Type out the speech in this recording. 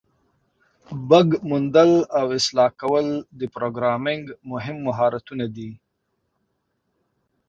بګ موندل او اصلاح کول د پروګرامینګ مهم مهارتونه دي.